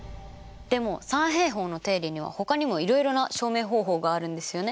でも三平方の定理にはほかにもいろいろな証明方法があるんですよねマスター。